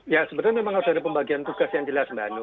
ya sebetulnya memang harus ada pembagian tugas yang jelas mbak anu